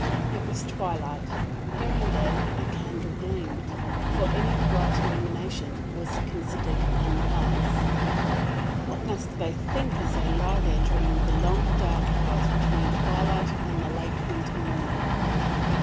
It was twilight. Here and there a candle gleamed, for any bright illumination was considered unwise. What must they think as they lie there during the long dark hours between twilight and the late winter morning?